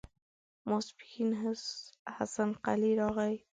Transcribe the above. ماسپښين حسن قلي راغی.